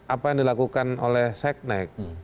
apa yang dilakukan oleh seknek